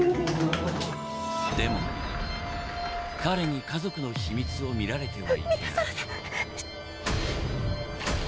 でも彼に家族の秘密を見られてはいけない